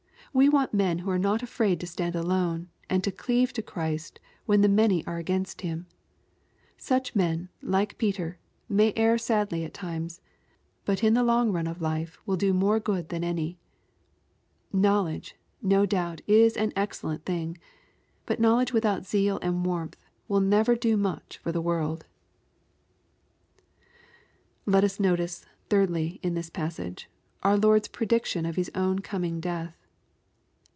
We want men who are not afraid to stand alone, and to cleave to Christ when the many are against Him. Such men, like! Peter, may err sadly at times, but in the long run of life will do more good than any. Knowledge, no doubt, is an excellent thing ; but knowledge without zeal and warmth will never do much for the world. Let us notice, thirdly, in this passage, our Lord^a pre diction of His own coming death.